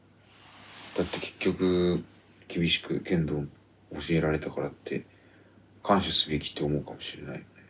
だって結局厳しく剣道を教えられたからって感謝すべきって思うかもしれないよね。